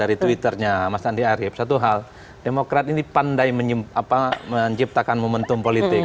dari twitternya mas andi arief satu hal demokrat ini pandai menciptakan momentum politik